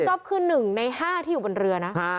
คุณจ๊อปคือ๑ใน๕ที่อยู่บนเรือนะ